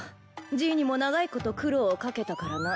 じいにも長いこと苦労を掛けたからな。